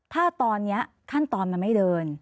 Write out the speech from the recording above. ถ้าตอนนี้ขั้นตอนมันไม่เดิน